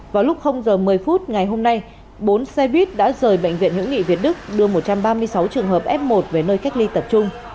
vào lúc giờ một mươi phút ngày hôm nay bốn xe buýt đã rời bệnh viện hữu nghị việt đức đưa một trăm ba mươi sáu trường hợp f một về nơi cách ly tập trung